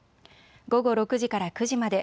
午後６時から９時まで。